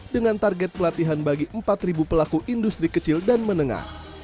dengan target pelatihan bagi empat pelaku industri kecil dan menengah